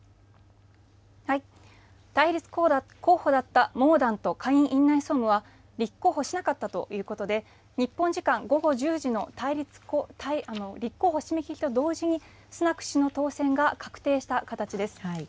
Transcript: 対立候補だったモーダント下院院内総務は立候補しなかったということで日本時間午後１０時の立候補、締め切りと同時にスナク氏の当選が確定した形です。